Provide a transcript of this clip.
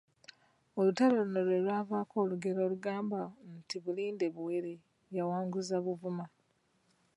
Olutalo luno lwe lwavaako olugero olugamba nti Bulinde buwere, yawanguza Buvuma.